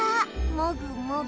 もぐもぐ。